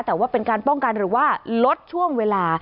แต่ว่าเป็นการป้องกันหรือว่าลดช่วงเวลา